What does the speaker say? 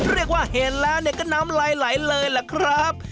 เรียกว่าเห็นแล้วก็น้ำลายไหลเลยล่ะครับ